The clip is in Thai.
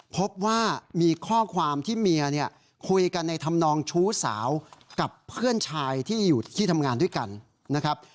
พบว่ามีข้อความที่เมียเนี่ยคุยกันในธรรมนองชู้สาวกับเพื่อนชายที่อยู่ที่ทำงานด้วยกันนะครับ